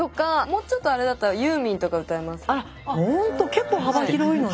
結構幅広いのね。